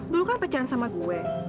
dulu kan pecahan sama gue